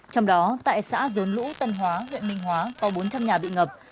trong đó tại xã dốn lũ tân hóa huyện minh hóa có bốn trăm linh nhà bị ngập